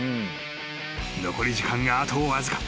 ［残り時間があとわずか］